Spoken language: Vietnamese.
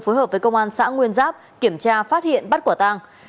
phối hợp với công an xã nguyên giáp kiểm tra phát hiện bắt quả tang